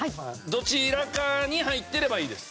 どちらかに入ってればいいです。